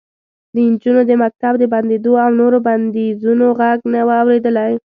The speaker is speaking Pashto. د نجونو د مکتب د بندېدو او نورو بندیزونو غږ نه و اورېدلی